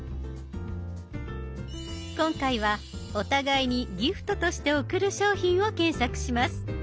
今回はお互いにギフトとして贈る商品を検索します。